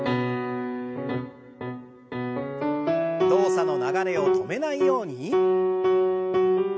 動作の流れを止めないように。